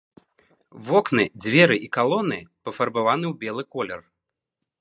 Вокны, дзверы і калоны пафарбаваны ў белы колер.